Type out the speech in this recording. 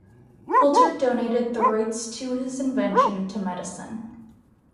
Holter donated the rights to his invention to medicine.